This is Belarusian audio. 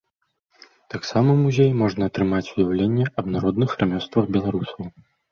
Таксама ў музеі можна атрымаць уяўленне аб народных рамёствах беларусаў.